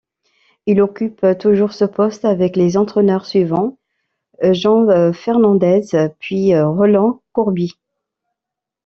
Il occupe toujours ce poste avec les entraîneurs suivants Jean Fernandez puis Rolland Courbis.